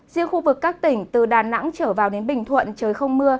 riêng khu vực các tỉnh từ đà nẵng trở vào đến bình thuận trời không mưa